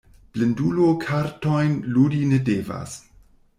Blindulo kartojn ludi ne devas.